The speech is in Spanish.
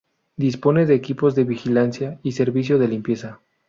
Dispone de equipos de vigilancia y servicio de limpieza.